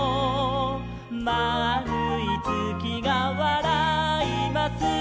「まあるいつきがわらいます」